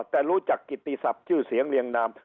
แต่รู้จักกิติศัพท์ชื่อเสียงเรียงนาม